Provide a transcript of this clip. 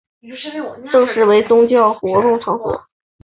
该寺正式恢复为宗教活动场所。